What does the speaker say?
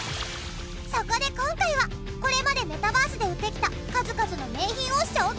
そこで今回はこれまでメタバースで売ってきた数々の名品を紹介。